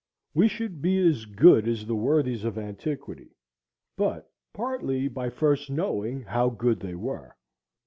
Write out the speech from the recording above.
We should be as good as the worthies of antiquity, but partly by first knowing how good they were.